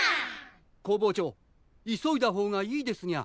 工房長急いだ方がいいですニャ。